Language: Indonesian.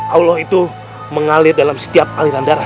allah itu mengalir dalam setiap aliran darah